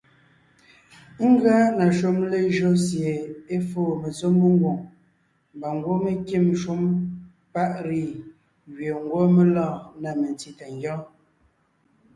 Ngʉa na shúm lejÿo sie é foo metsɔ́ mengwòŋ mbà ngwɔ́ mé kîm shúm paʼ “riz” gẅie ngwɔ́ mé lɔɔn na metsí tà ngyɔ́ɔn.